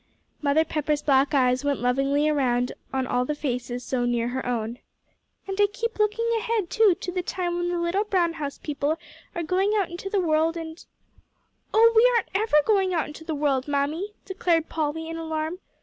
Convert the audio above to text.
Mother Pepper's black eyes went lovingly around on all the faces so near her own. "And I keep looking ahead, too, to the time when the little brown house people are going out into the world and " "Oh, we aren't ever going out into the world, Mammy," declared Polly, in alarm.